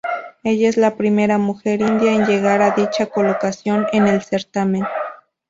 Ella es la primera mujer india en llegar a dicha colocación en el certamen.